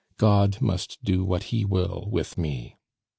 God must do what He will with me.